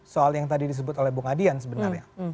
soal yang tadi disebut oleh bung adian sebenarnya